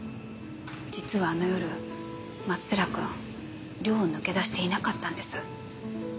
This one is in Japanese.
実はあの夜松寺君寮を抜け出していなかったんです。